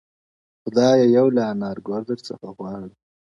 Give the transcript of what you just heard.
• خدایه یو لا انارګل درڅخه غواړو -